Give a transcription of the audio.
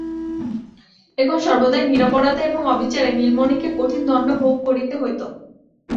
এখন সর্বদাই নিরপরাধে এবং অবিচারে নীলমণিকে কঠিন দণ্ড ভোগ করিতে হইত।